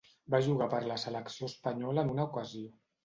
Va jugar per la selecció espanyola en una ocasió.